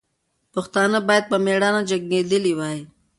پښتانه باید په میړانه جنګېدلي وای.